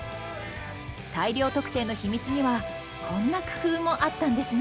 大量得点の秘密にはこんな工夫もあったんですね。